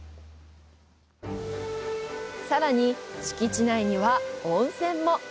さらに、敷地内には温泉も！